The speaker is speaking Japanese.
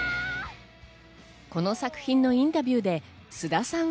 この作品のインタビューで菅田さんは。